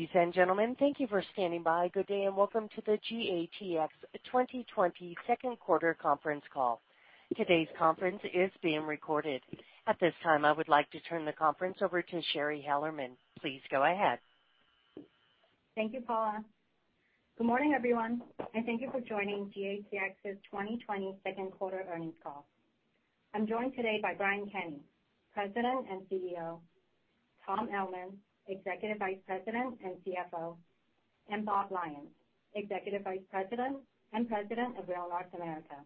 Ladies and gentlemen, thank you for standing by. Good day, and welcome to the GATX 2020 second quarter conference call. Today's conference is being recorded. At this time, I would like to turn the conference over to Shari Hellerman. Please go ahead. Thank you, Paula. Good morning, everyone, and thank you for joining GATX's 2020 second quarter earnings call. I'm joined today by Brian Kenney, President and CEO, Tom Ellman, Executive Vice President and CFO, and Bob Lyons, Executive Vice President and President of Rail North America.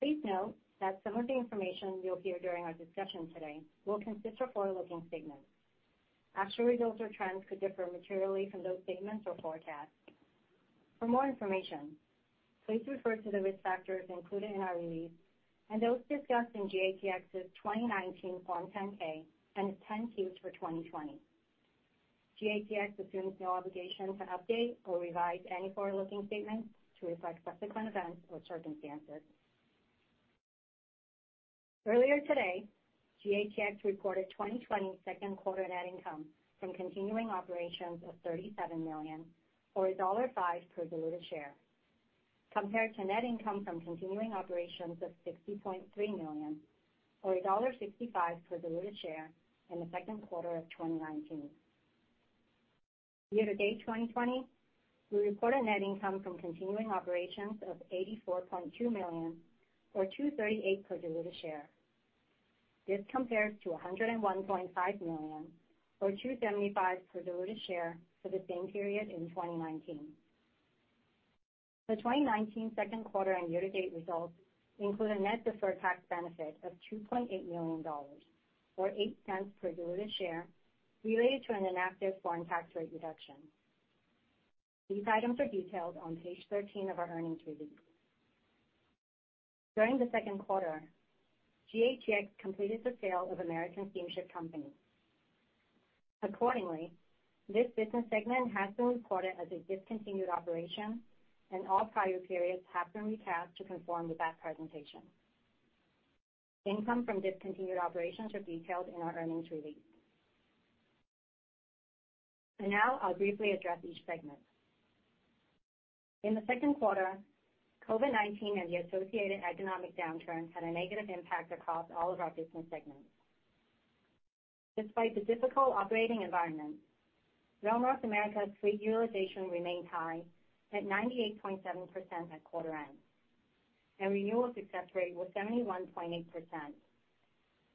Please note that some of the information you'll hear during our discussion today will consist of forward-looking statements. Actual results or trends could differ materially from those statements or forecasts. For more information, please refer to the risk factors included in our release and those discussed in GATX's 2019 Form 10-K and its 10-Qs for 2020. GATX assumes no obligation to update or revise any forward-looking statements to reflect subsequent events or circumstances. Earlier today, GATX reported 2020 second quarter net income from continuing operations of $37 million, or $1.05 per diluted share, compared to net income from continuing operations of $60.3 million, or $1.65 per diluted share in the second quarter of 2019. Year-to-date 2020, we reported net income from continuing operations of $84.2 million, or $2.38 per diluted share. This compares to $101.5 million or $2.75 per diluted share for the same period in 2019. The 2019 second quarter and year-to-date results include a net deferred tax benefit of $2.8 million, or $0.08 per diluted share, related to an inactive foreign tax rate reduction. These items are detailed on page 13 of our earnings release. During the second quarter, GATX completed the sale of American Steamship Company. Accordingly, this business segment has been reported as a discontinued operation, and all prior periods have been recast to conform with that presentation. Income from discontinued operations are detailed in our earnings release. Now I'll briefly address each segment. In the second quarter, COVID-19 and the associated economic downturn had a negative impact across all of our business segments. Despite the difficult operating environment, Rail North America's fleet utilization remained high at 98.7% at quarter end, and renewal success rate was 71.8%.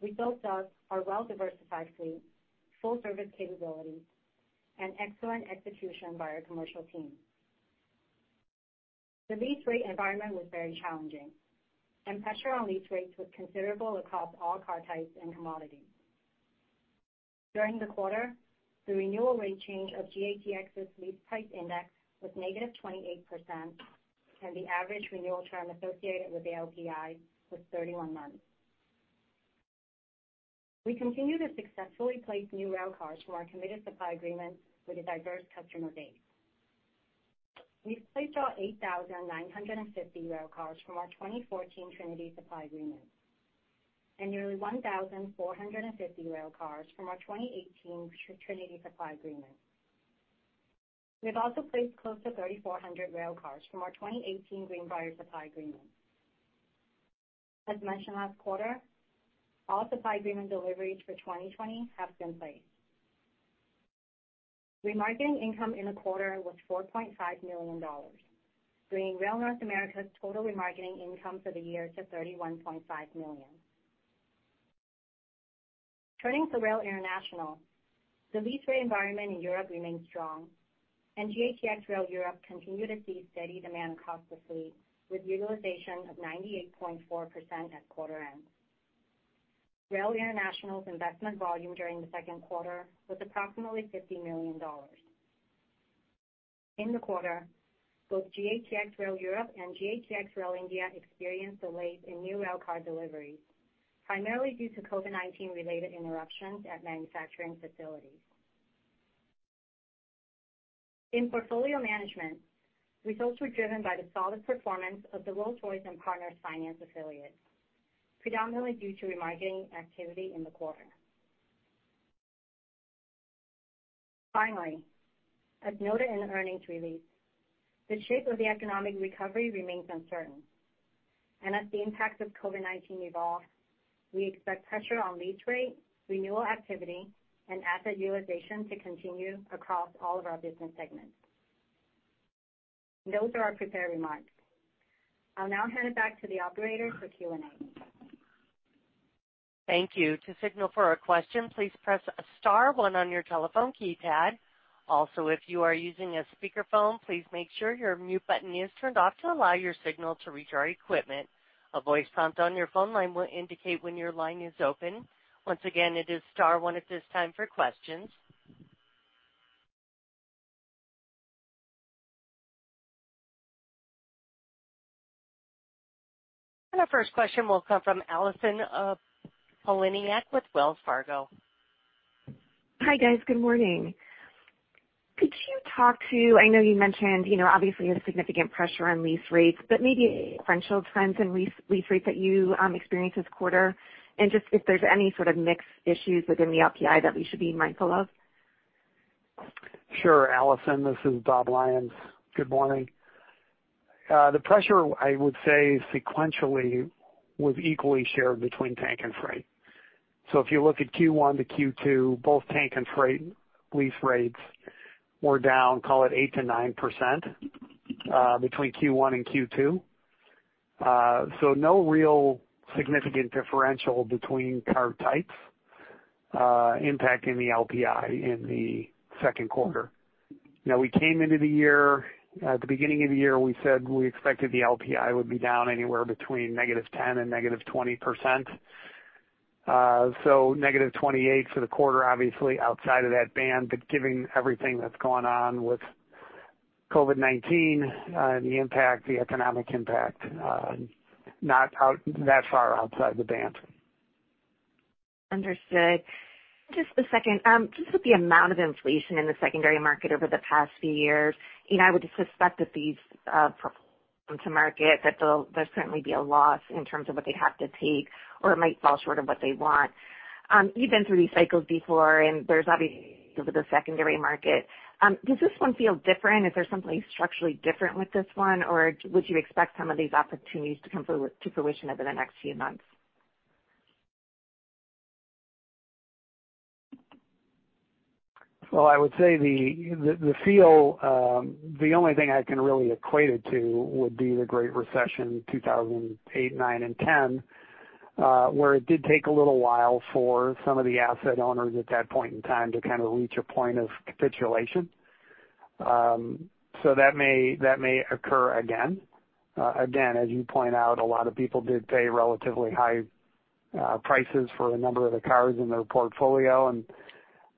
Results of our well-diversified fleet, full service capabilities, and excellent execution by our commercial team. The lease rate environment was very challenging, and pressure on lease rates was considerable across all car types and commodities. During the quarter, the renewal rate change of GATX's Lease Price Index was -28%, and the average renewal term associated with the LPI was 31 months. We continue to successfully place new railcars from our committed supply agreements with a diverse customer base. We placed our 8,950 railcars from our 2014 Trinity supply agreement and nearly 1,450 railcars from our 2018 Trinity supply agreement. We've also placed close to 3,400 railcars from our 2018 Greenbrier supply agreement. As mentioned last quarter, all supply agreement deliveries for 2020 have been placed. Remarketing income in the quarter was $4.5 million, bringing Rail North America's total remarketing income for the year to $31.5 million. Turning to Rail International, the lease rate environment in Europe remains strong, and GATX Rail Europe continued to see steady demand across the fleet, with utilization of 98.4% at quarter end. Rail International's investment volume during the second quarter was approximately $50 million. In the quarter, both GATX Rail Europe and GATX Rail India experienced delays in new railcar deliveries, primarily due to COVID-19 related interruptions at manufacturing facilities. In portfolio management, results were driven by the solid performance of the Rolls-Royce and Partners Finance affiliates, predominantly due to remarketing activity in the quarter. Finally, as noted in the earnings release, the shape of the economic recovery remains uncertain, and as the impacts of COVID-19 evolve, we expect pressure on lease rate, renewal activity, and asset utilization to continue across all of our business segments. Those are our prepared remarks. I'll now hand it back to the operator for Q&A. Thank you. To signal for a question, please press *1 on your telephone keypad. Also, if you are using a speakerphone, please make sure your mute button is turned off to allow your signal to reach our equipment. A voice prompt on your phone line will indicate when your line is open. Once again, it is *1 at this time for questions. Our first question will come from Allison Poliniak-Cusic with Wells Fargo. Hi, guys. Good morning. I know you mentioned, obviously there's significant pressure on lease rates, but maybe differential trends in lease rates that you experienced this quarter, and just if there's any sort of mixed issues within the LPI that we should be mindful of. Sure, Allison, this is Bob Lyons. Good morning. The pressure, I would say sequentially was equally shared between tank and freight. If you look at Q1 to Q2, both tank and freight lease rates were down, call it 8%-9%, between Q1 and Q2. No real significant differential between car types impacting the LPI in the second quarter. Now, we came into the year, at the beginning of the year, we said we expected the LPI would be down anywhere between -10% and -20%. -28 for the quarter, obviously outside of that band, but given everything that's gone on with COVID-19, the impact, the economic impact, not that far outside the band. Understood. Just the second, just with the amount of inflation in the secondary market over the past few years, I would suspect that these to market, that there'll certainly be a loss in terms of what they'd have to take, or it might fall short of what they want. You've been through these cycles before. Does this one feel different? Is there something structurally different with this one, or would you expect some of these opportunities to come to fruition over the next few months? Well, I would say the feel, the only thing I can really equate it to would be the Great Recession 2008, '09, and '10, where it did take a little while for some of the asset owners at that point in time to kind of reach a point of capitulation. That may occur again. Again, as you point out, a lot of people did pay relatively high prices for a number of the cars in their portfolio.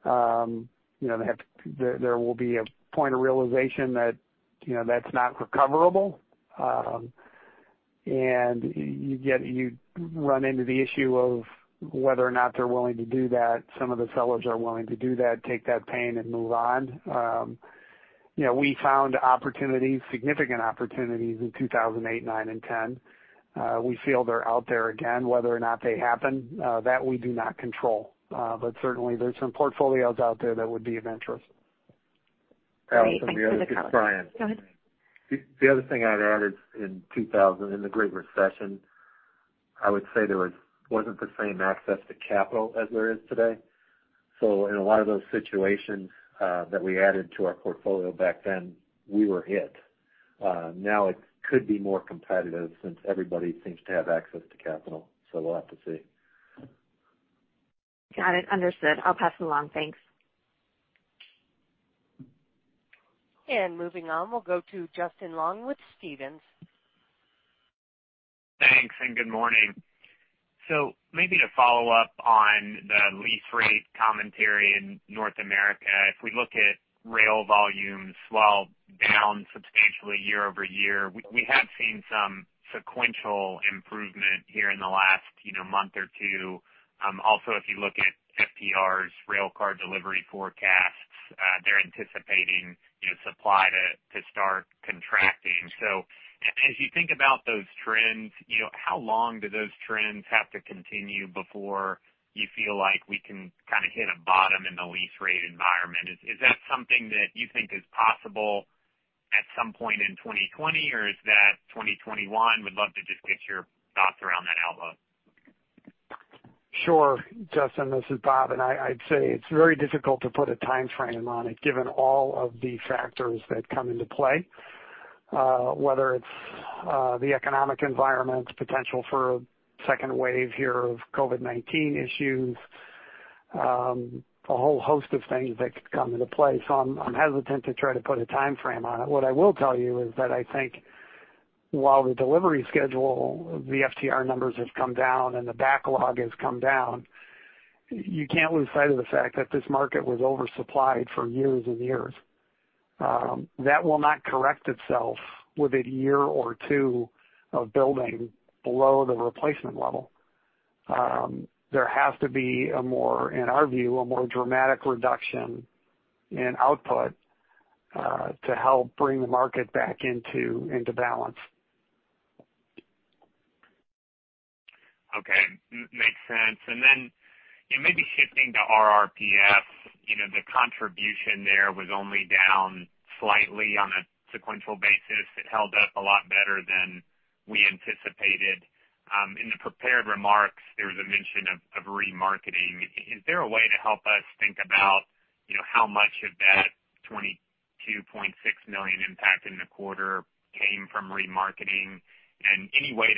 There will be a point of realization that's not recoverable. You run into the issue of whether or not they're willing to do that. Some of the sellers are willing to do that, take that pain and move on. We found opportunities, significant opportunities in 2008, '09, and '10. We feel they're out there again. Whether or not they happen, that we do not control. Certainly, there's some portfolios out there that would be of interest. Great. Thank you for the color. Allison, Go ahead. It's Brian. The other thing I'd add is in 2000, in the Great Recession, I would say there wasn't the same access to capital as there is today. In a lot of those situations that we added to our portfolio back then, we were it. Now it could be more competitive since everybody seems to have access to capital, so we'll have to see. Got it. Understood. I'll pass it along. Thanks. Moving on, we'll go to Justin Long with Stephens. Thanks. Good morning. Maybe to follow up on the lease rate commentary in Rail North America, if we look at rail volumes while down substantially year-over-year, we have seen some sequential improvement here in the last month or two. Also, if you look at FTR's railcar delivery forecasts, they're anticipating supply to start contracting. As you think about those trends, how long do those trends have to continue before you feel like we can kind of hit a bottom in the lease rate environment? Is that something that you think is possible at some point in 2020, or is that 2021? Would love to just get your thoughts around that outlook. Sure. Justin, this is Bob. I'd say it's very difficult to put a timeframe on it, given all of the factors that come into play, whether it's the economic environment, potential for a second wave here of COVID-19 issues, a whole host of things that could come into play. I'm hesitant to try to put a timeframe on it. What I will tell you is that I think while the delivery schedule, the FTR numbers have come down and the backlog has come down, you can't lose sight of the fact that this market was oversupplied for years and years. That will not correct itself with a year or two of building below the replacement level. There has to be, in our view, a more dramatic reduction in output to help bring the market back into balance. Okay. Makes sense. Maybe shifting to RRPF, the contribution there was only down slightly on a sequential basis. It held up a lot better than we anticipated. In the prepared remarks, there was a mention of remarketing. Is there a way to help us think about how much of that $22.6 million impact in the quarter came from remarketing? Any way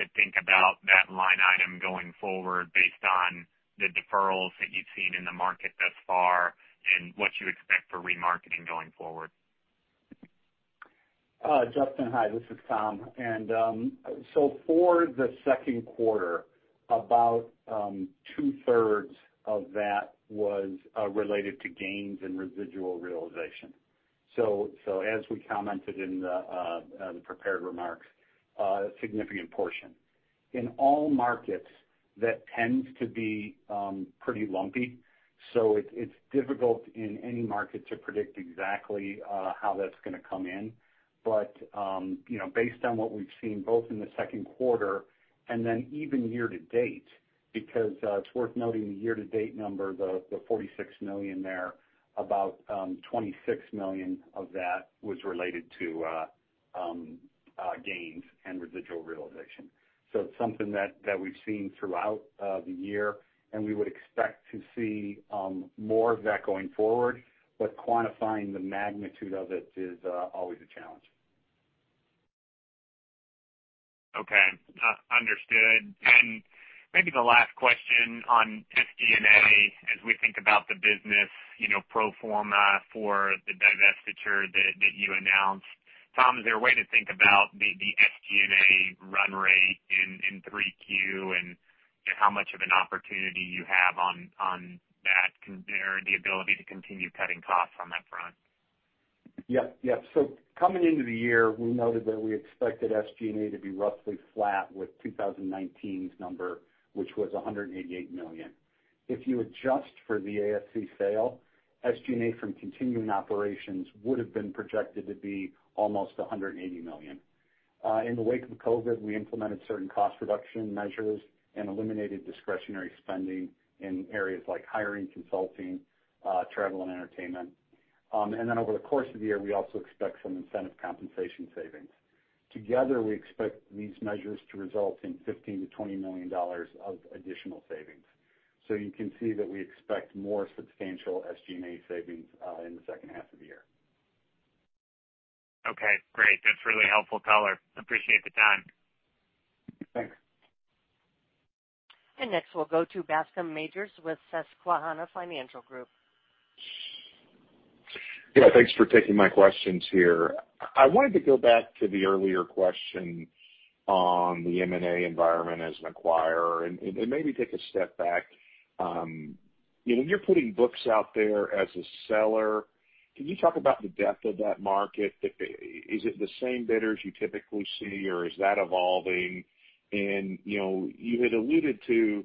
to think about that line item going forward based on the deferrals that you've seen in the market thus far and what you expect for remarketing going forward? Justin, hi. This is Tom. For the second quarter, about two-thirds of that was related to gains and residual realization. As we commented in the prepared remarks, a significant portion. In all markets that tends to be pretty lumpy. It's difficult in any market to predict exactly how that's going to come in. Based on what we've seen, both in the second quarter and then even year-to-date, because it's worth noting the year-to-date number, the $46 million there, about $26 million of that was related to gains and residual realization. It's something that we've seen throughout the year, and we would expect to see more of that going forward, but quantifying the magnitude of it is always a challenge. Okay. Understood. Maybe the last question on SG&A, as we think about the business pro forma for the divestiture that you announced, Tom, is there a way to think about the SG&A run rate in 3Q and how much of an opportunity you have on that, or the ability to continue cutting costs on that front? Yep. Coming into the year, we noted that we expected SG&A to be roughly flat with 2019's number, which was $188 million. If you adjust for the ASC sale, SG&A from continuing operations would have been projected to be almost $180 million. In the wake of COVID, we implemented certain cost reduction measures and eliminated discretionary spending in areas like hiring, consulting, travel and entertainment. Over the course of the year, we also expect some incentive compensation savings. Together, we expect these measures to result in $15 million-$20 million of additional savings. You can see that we expect more substantial SG&A savings in the second half of the year. Okay, great. That's really helpful color. Appreciate the time. Thanks. Next, we'll go to Bascome Majors with Susquehanna Financial Group. Yeah, thanks for taking my questions here. I wanted to go back to the earlier question on the M&A environment as an acquirer, and maybe take a step back. When you're putting books out there as a seller, can you talk about the depth of that market? Is it the same bidders you typically see, or is that evolving? You had alluded to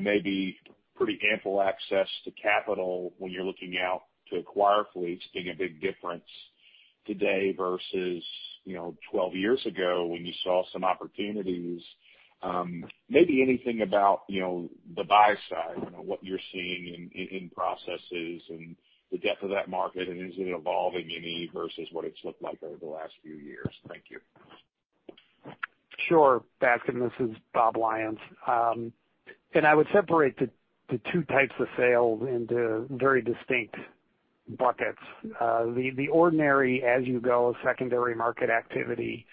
maybe pretty ample access to capital when you're looking out to acquire fleets being a big difference today versus 12 years ago when you saw some opportunities. Maybe anything about the buy side, what you're seeing in processes and the depth of that market, and is it evolving any versus what it's looked like over the last few years? Thank you. Sure, Bascome, this is Bob Lyons. I would separate the two types of sales into very distinct buckets. The ordinary as-you-go secondary market activity,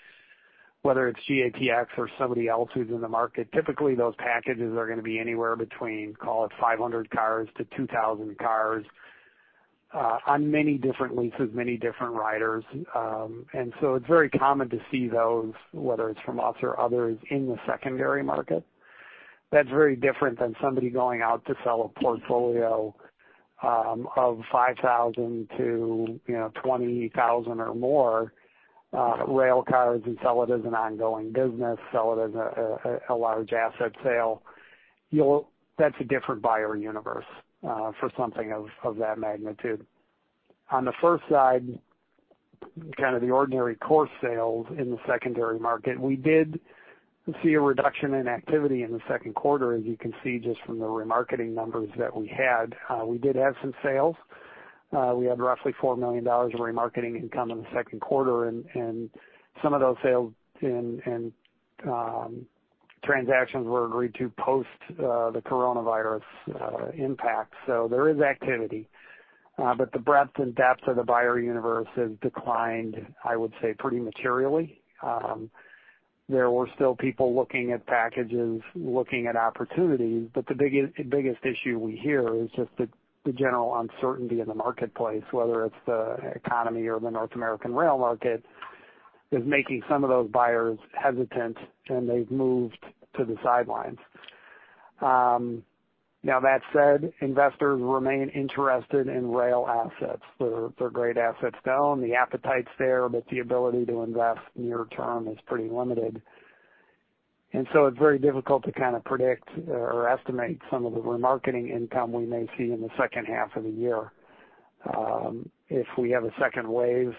whether it's GATX or somebody else who's in the market, typically those packages are going to be anywhere between, call it 500 cars to 2,000 cars, on many different leases, many different riders. It's very common to see those, whether it's from us or others, in the secondary market. That's very different than somebody going out to sell a portfolio of 5,000 to 20,000 or more rail cars and sell it as an ongoing business, sell it as a large asset sale. That's a different buyer universe for something of that magnitude. On the first side, kind of the ordinary course sales in the secondary market, we did see a reduction in activity in the second quarter, as you can see just from the remarketing numbers that we had. We did have some sales. We had roughly $4 million of remarketing income in the second quarter, and some of those sales and transactions were agreed to post the coronavirus impact. There is activity. The breadth and depth of the buyer universe has declined, I would say, pretty materially. There were still people looking at packages, looking at opportunities. The biggest issue we hear is just the general uncertainty in the marketplace, whether it's the economy or the North American rail market, is making some of those buyers hesitant, and they've moved to the sidelines. That said, investors remain interested in rail assets. They're great assets to own. The appetite's there, the ability to invest near term is pretty limited. It's very difficult to kind of predict or estimate some of the remarketing income we may see in the second half of the year. If we have a second wave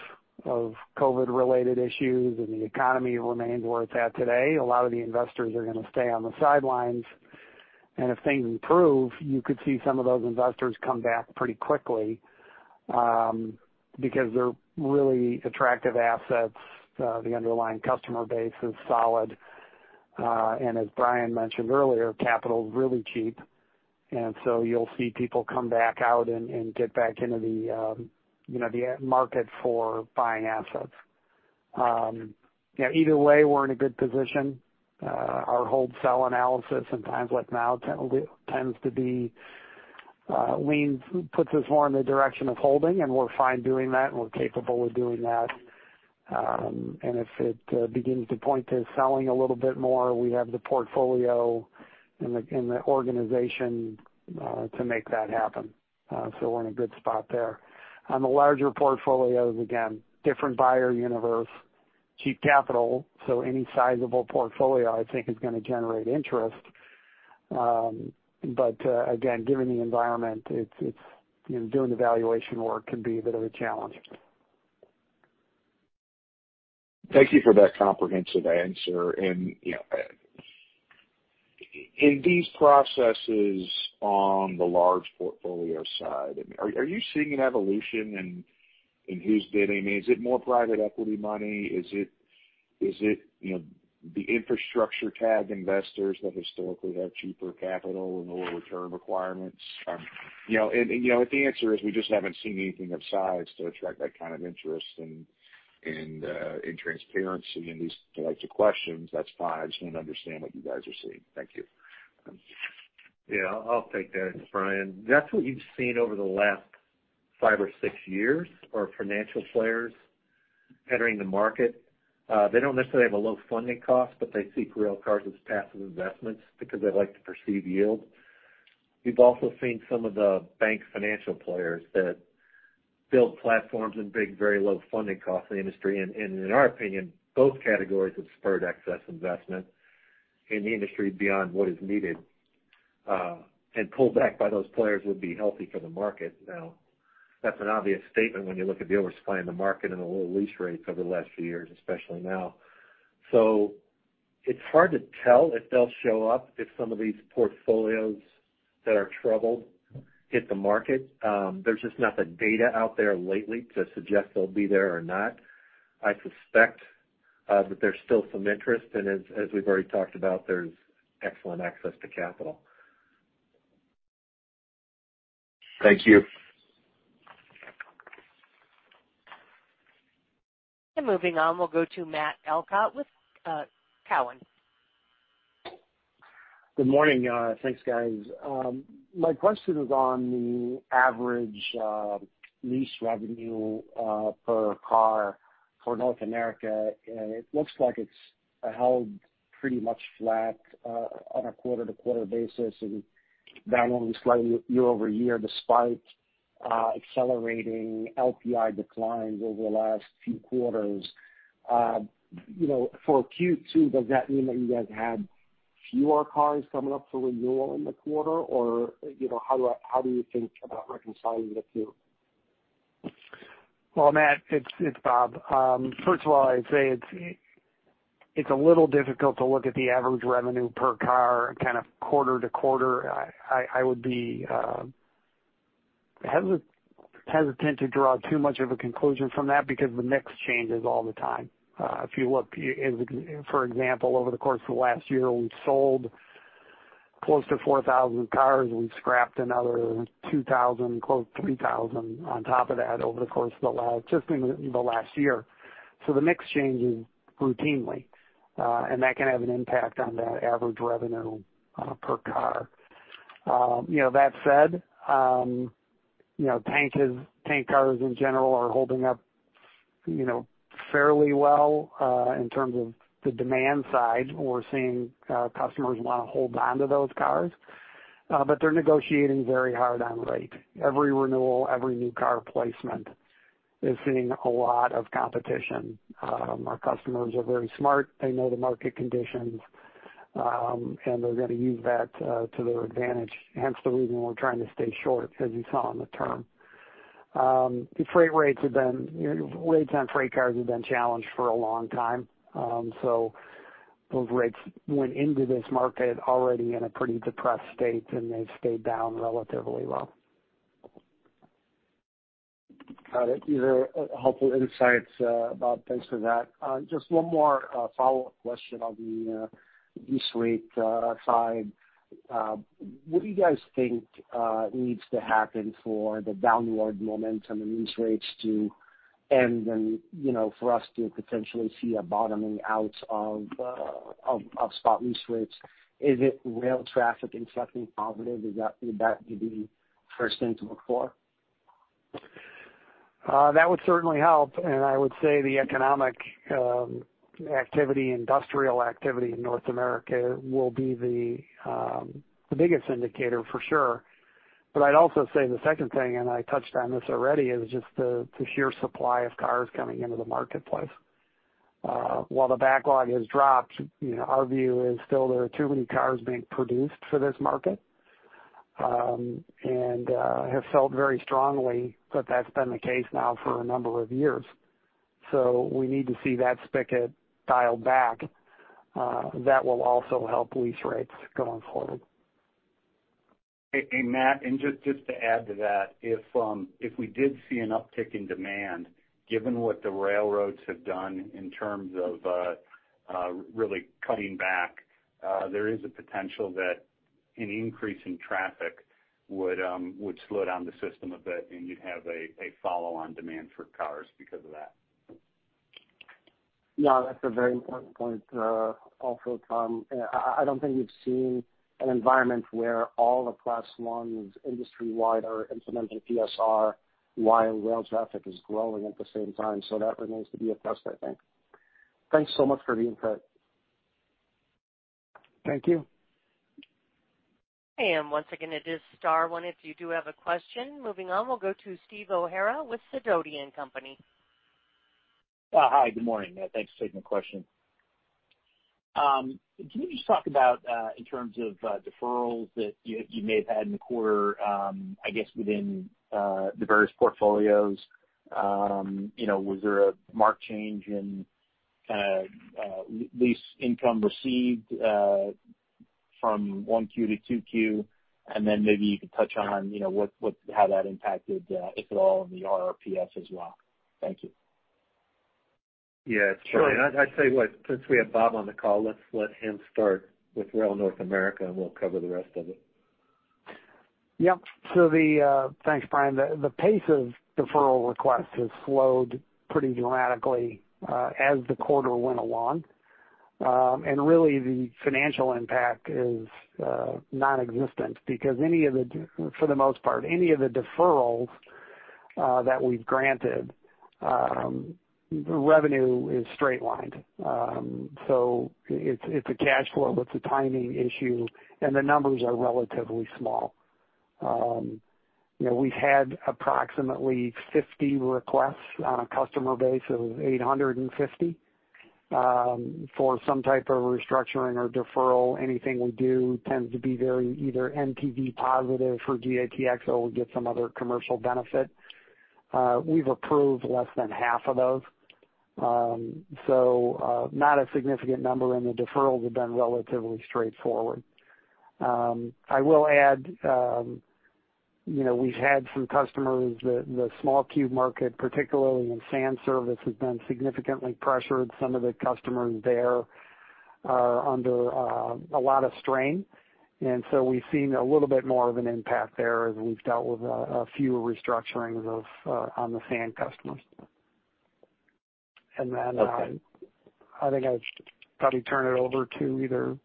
of COVID-related issues and the economy remains where it's at today, a lot of the investors are going to stay on the sidelines. If things improve, you could see some of those investors come back pretty quickly, because they're really attractive assets. The underlying customer base is solid. As Brian mentioned earlier, capital is really cheap. You'll see people come back out and get back into the market for buying assets. Either way, we're in a good position. Our hold/sell analysis in times like now tends to lean, puts us more in the direction of holding, and we're fine doing that, and we're capable of doing that. If it begins to point to selling a little bit more, we have the portfolio in the organization to make that happen. We're in a good spot there. On the larger portfolios, again, different buyer universe, cheap capital. Any sizable portfolio, I think, is going to generate interest. Again, given the environment, doing the valuation work can be a bit of a challenge. Thank you for that comprehensive answer. In these processes on the large portfolio side, are you seeing an evolution in who's bidding? Is it more private equity money? Is it the infrastructure tag investors that historically have cheaper capital and lower return requirements? If the answer is we just haven't seen anything of size to attract that kind of interest in transparency in these types of questions, that's fine. I just want to understand what you guys are seeing. Thank you. Yeah, I'll take that, Brian. That's what you've seen over the last five or six years, are financial players entering the market. They don't necessarily have a low funding cost, but they seek rail cars as passive investments because they like the perceived yield. We've also seen some of the bank financial players that build platforms in big, very low funding cost in the industry. In our opinion, both categories have spurred excess investment in the industry beyond what is needed, and pull back by those players would be healthy for the market. That's an obvious statement when you look at the oversupply in the market and the low lease rates over the last few years, especially now. It's hard to tell if they'll show up if some of these portfolios that are troubled hit the market. There's just not the data out there lately to suggest they'll be there or not. I suspect that there's still some interest, and as we've already talked about, there's excellent access to capital. Thank you. Moving on, we'll go to Matt Elkott with Cowen. Good morning. Thanks, guys. My question is on the average lease revenue per car for North America. It looks like it's held pretty much flat on a quarter-to-quarter basis and down only slightly year-over-year, despite accelerating LPI declines over the last few quarters. For Q2, does that mean that you guys had fewer cars coming up for renewal in the quarter? How do you think about reconciling the two? Well, Matt, it's Bob. First of all, I'd say it's a little difficult to look at the average revenue per car kind of quarter to quarter. I would be hesitant to draw too much of a conclusion from that because the mix changes all the time. If you look, for example, over the course of the last year, we've sold close to 4,000 cars, and we've scrapped another 2,000, close to 3,000 on top of that just in the last year. The mix changes routinely, and that can have an impact on the average revenue per car. That said, tank cars in general are holding up fairly well in terms of the demand side. We're seeing customers want to hold onto those cars. They're negotiating very hard on rate. Every renewal, every new car placement is seeing a lot of competition. Our customers are very smart. They know the market conditions, and they're going to use that to their advantage, hence the reason we're trying to stay short, as you saw in the term. Rates on freight cars have been challenged for a long time. Those rates went into this market already in a pretty depressed state, and they've stayed down relatively well. Got it. These are helpful insights, Bob. Thanks for that. Just one more follow-up question on the lease rate side. What do you guys think needs to happen for the downward momentum in lease rates to end and for us to potentially see a bottoming out of spot lease rates? Is it rail traffic inflection positive? Would that be the first thing to look for? That would certainly help, I would say the economic activity, industrial activity in North America will be the biggest indicator for sure. I'd also say the second thing, and I touched on this already, is just the sheer supply of cars coming into the marketplace. While the backlog has dropped, our view is still there are too many cars being produced for this market, and have felt very strongly that that's been the case now for a number of years. We need to see that spigot dialed back. That will also help lease rates going forward. Hey, Matt, just to add to that, if we did see an uptick in demand, given what the railroads have done in terms of really cutting back, there is a potential that an increase in traffic would slow down the system a bit, and you'd have a follow-on demand for cars because of that. Yeah, that's a very important point also, Tom. I don't think we've seen an environment where all the Class 1s industry-wide are implementing PSR while rail traffic is growing at the same time. That remains to be a test, I think. Thanks so much for the insight. Thank you. Once again, it is star one if you do have a question. Moving on, we'll go to Steve O'Hara with Sidoti & Company. Hi. Good morning. Thanks for taking the question. Can you just talk about, in terms of deferrals that you may have had in the quarter, I guess within the various portfolios, was there a marked change in lease income received from 1Q to 2Q? Maybe you could touch on how that impacted, if at all, in the RRPF as well. Thank you. Yeah, sure. I tell you what, since we have Bob on the call, let's let him start with Rail North America, and we'll cover the rest of it. Yep. Thanks, Brian. The pace of deferral requests has slowed pretty dramatically as the quarter went along. Really, the financial impact is non-existent because for the most part, any of the deferrals that we've granted, the revenue is straight lined. It's a cash flow, it's a timing issue, and the numbers are relatively small. We've had approximately 50 requests on a customer base of 850 for some type of restructuring or deferral. Anything we do tends to be very either NPV positive for GATX, or we get some other commercial benefit. We've approved less than half of those. Not a significant number, and the deferrals have been relatively straightforward. I will add, we've had some customers, the small cube market, particularly in sand service, has been significantly pressured. Some of the customers there are under a lot of strain, and so we've seen a little bit more of an impact there as we've dealt with a few restructurings on the sand customers. Okay. I think I would probably turn it over to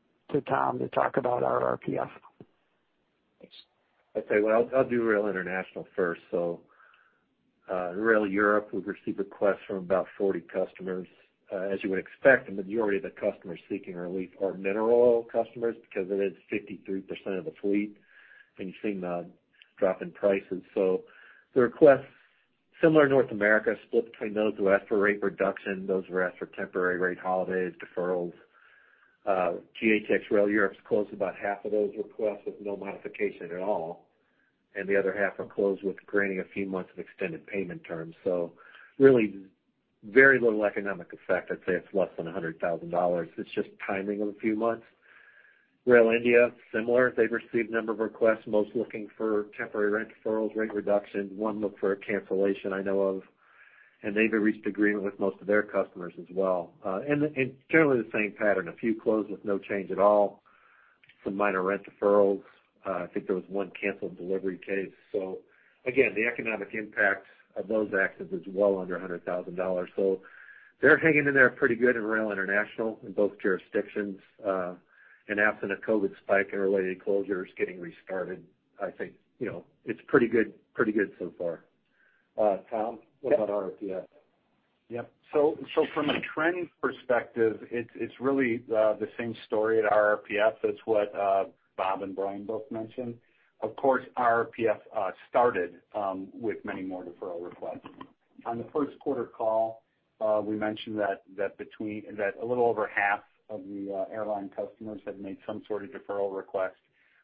Tom to talk about RRPF. Thanks. I'd say, well, I'll do Rail International first. In Rail Europe, we've received requests from about 40 customers. As you would expect, the majority of the customers seeking a relief are mineral oil customers because it is 53% of the fleet, and you've seen a drop in prices. The requests, similar to North America, split between those who asked for rate reduction, those who asked for temporary rate holidays, deferrals. GATX Rail Europe's closed about half of those requests with no modification at all, and the other half are closed with granting a few months of extended payment terms. Really, very little economic effect. I'd say it's less than $100,000. It's just timing of a few months. GATX India, similar. They've received a number of requests, most looking for temporary rent deferrals, rate reduction. One looked for a cancellation I know of, they've reached agreement with most of their customers as well. Generally the same pattern. A few closed with no change at all, some minor rent deferrals. I think there was one canceled delivery case. Again, the economic impact of those actions is well under $100,000. They're hanging in there pretty good in Rail International in both jurisdictions. Absent a COVID spike and related closures getting restarted, I think it's pretty good so far. Tom, what about RRPF? Yep. From a trends perspective, it's really the same story at RRPF as what Bob and Brian both mentioned. Of course, RRPF started with many more deferral requests. On the first quarter call, we mentioned that a little over half of the airline customers had made some sort of deferral request,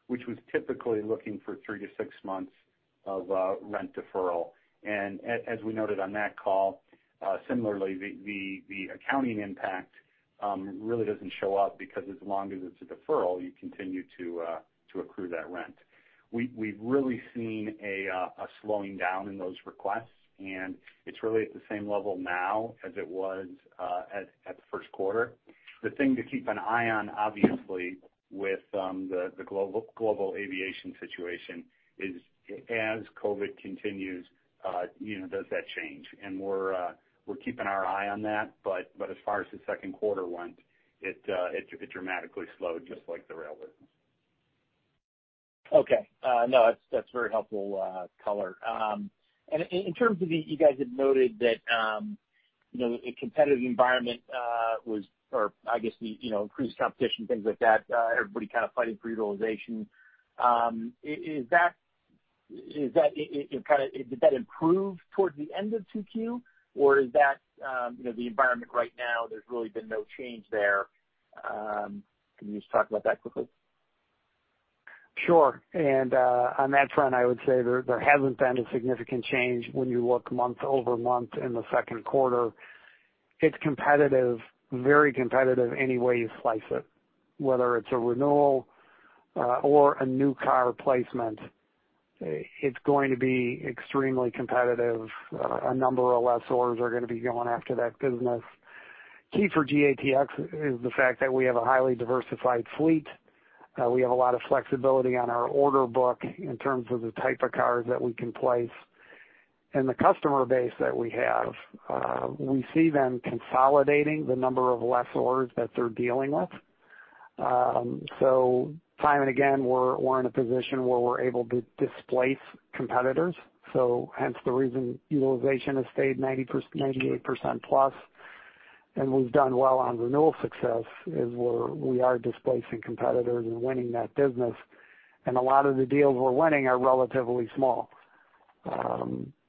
which was typically looking for three to six months of rent deferral. As we noted on that call, similarly, the accounting impact really doesn't show up because as long as it's a deferral, you continue to accrue that rent. We've really seen a slowing down in those requests, and it's really at the same level now as it was at the first quarter. The thing to keep an eye on, obviously, with the global aviation situation is as COVID continues, does that change? We're keeping our eye on that, but as far as the second quarter went, it dramatically slowed, just like the railways. Okay. No, that's very helpful color. In terms of You guys had noted that a competitive environment was, or I guess increased competition, things like that, everybody kind of fighting for utilization. Did that improve towards the end of two Q, or is that the environment right now, there's really been no change there? Can you just talk about that quickly? Sure. On that front, I would say there hasn't been a significant change when you look month-over-month in the second quarter. It's competitive, very competitive any way you slice it. Whether it's a renewal or a new car replacement, it's going to be extremely competitive. A number of lessors are going to be going after that business. Key for GATX is the fact that we have a highly diversified fleet. We have a lot of flexibility on our order book in terms of the type of cars that we can place. The customer base that we have, we see them consolidating the number of lessors that they're dealing with. Time and again, we're in a position where we're able to displace competitors. Hence the reason utilization has stayed 98%-plus, and we've done well on renewal success is we are displacing competitors and winning that business. A lot of the deals we're winning are relatively small.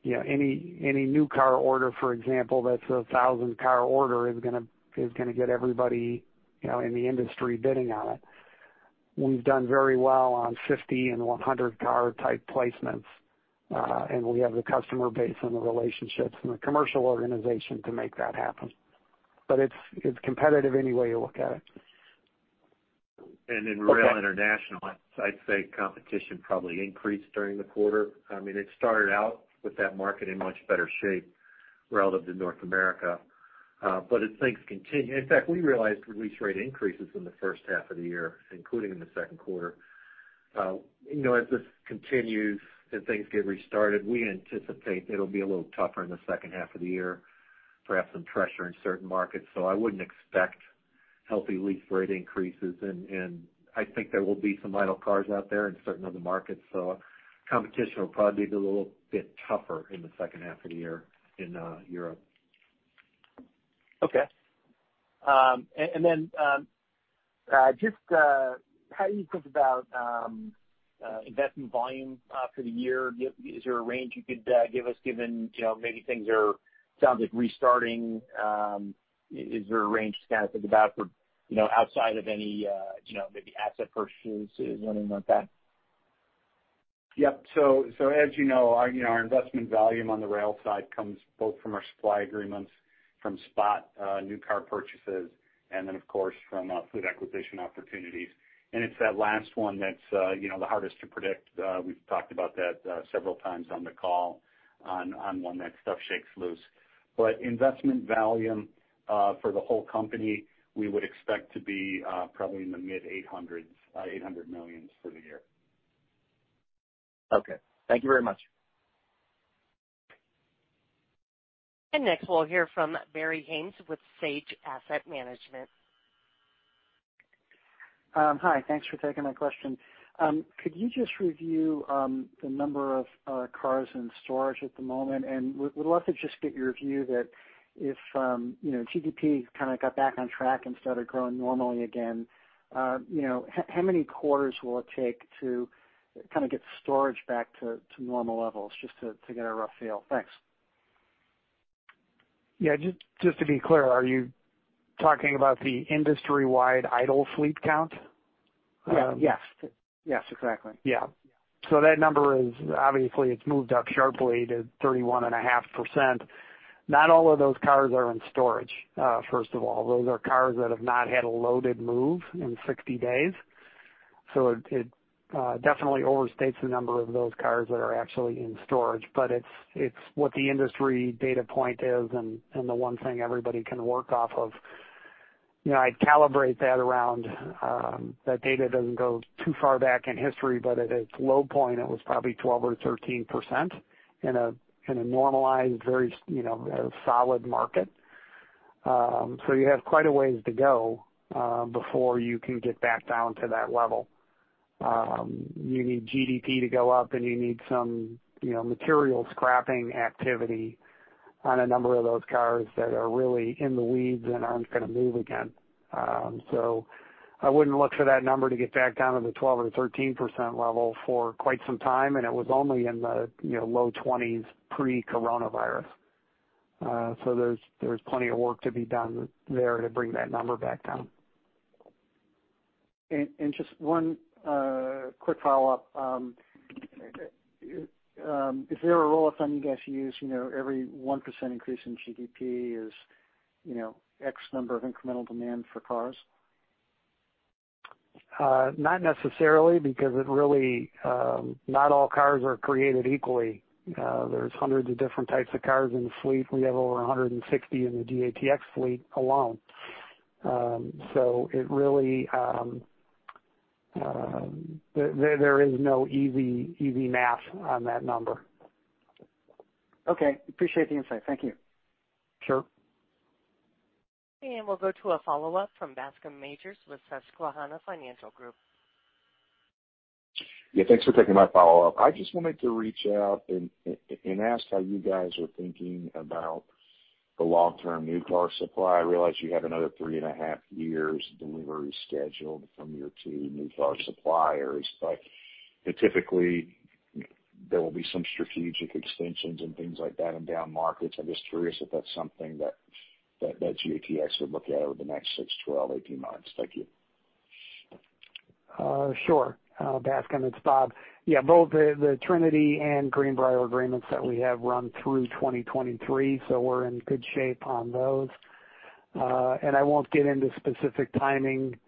Any new car order, for example, that's a 1,000 car order is going to get everybody in the industry bidding on it. We've done very well on 50 and 100 car type placements, and we have the customer base and the relationships and the commercial organization to make that happen. It's competitive any way you look at it. In Rail International, I'd say competition probably increased during the quarter. It started out with that market in much better shape relative to North America. As things continue, in fact, we realized lease rate increases in the first half of the year, including in the second quarter. As this continues and things get restarted, we anticipate it'll be a little tougher in the second half of the year, perhaps some pressure in certain markets. I wouldn't expect healthy lease rate increases, and I think there will be some idle cars out there in certain other markets. Competition will probably be a little bit tougher in the second half of the year in Europe. Okay. Then, just how do you think about investment volume for the year? Is there a range you could give us, given maybe things are, sounds like restarting? Is there a range to kind of think about for outside of any maybe asset purchases or anything like that? Yep. As you know, our investment volume on the rail side comes both from our supply agreements, from spot new car purchases, and then of course, from fleet acquisition opportunities. It's that last one that's the hardest to predict. We've talked about that several times on the call on when that stuff shakes loose. Investment volume for the whole company, we would expect to be probably in the mid-$800 million for the year. Okay. Thank you very much. Next, we'll hear from Barry Haines with Sage Asset Management. Hi. Thanks for taking my question. Could you just review the number of cars in storage at the moment? Would love to just get your view that if GDP kind of got back on track and started growing normally again, how many quarters will it take to kind of get storage back to normal levels, just to get a rough feel? Thanks. Yeah, just to be clear, are you talking about the industry-wide idle fleet count? Yes. Exactly. Yeah. That number is obviously, it's moved up sharply to 31.5%. Not all of those cars are in storage, first of all. Those are cars that have not had a loaded move in 60 days. It definitely overstates the number of those cars that are actually in storage, but it's what the industry data point is and the one thing everybody can work off of. I calibrate that around, that data doesn't go too far back in history, but at its low point, it was probably 12% or 13% in a normalized, very solid market. You have quite a ways to go before you can get back down to that level. You need GDP to go up, and you need some material scrapping activity on a number of those cars that are really in the weeds and aren't going to move again. I wouldn't look for that number to get back down to the 12 or 13% level for quite some time, and it was only in the low 20s pre-coronavirus. There's plenty of work to be done there to bring that number back down. Just one quick follow-up. Is there a rule of thumb you guys use? Every 1% increase in GDP is X number of incremental demand for cars? Not necessarily, because not all cars are created equally. There's hundreds of different types of cars in the fleet. We have over 160 in the GATX fleet alone. There is no easy math on that number. Okay. Appreciate the insight. Thank you. Sure. We'll go to a follow-up from Bascome Majors with Susquehanna Financial Group. Thanks for taking my follow-up. I just wanted to reach out and ask how you guys are thinking about the long-term new car supply. I realize you have another three and a half years delivery scheduled from your two new car suppliers. Typically, there will be some strategic extensions and things like that in down markets. I'm just curious if that's something that GATX would look at over the next six, 12, 18 months. Thank you. Sure. Bascome, it's Bob. Yeah, both the Trinity and Greenbrier agreements that we have run through 2023, so we're in good shape on those. I won't get into specific timing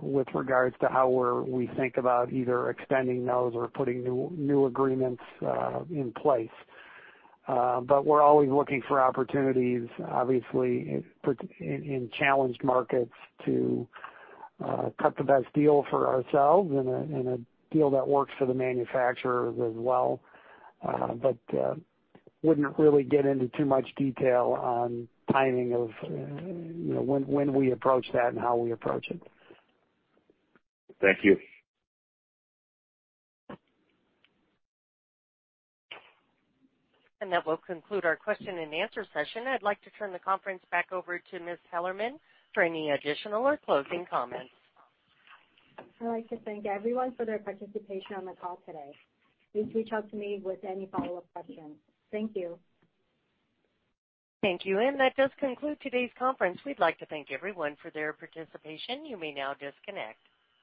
with regards to how we think about either extending those or putting new agreements in place. We're always looking for opportunities, obviously, in challenged markets to cut the best deal for ourselves and a deal that works for the manufacturer as well. Wouldn't really get into too much detail on timing of when we approach that and how we approach it. Thank you. That will conclude our question and answer session. I'd like to turn the conference back over to Ms. Hellerman for any additional or closing comments. I'd like to thank everyone for their participation on the call today. Please reach out to me with any follow-up questions. Thank you. Thank you. That does conclude today's conference. We'd like to thank everyone for their participation. You may now disconnect.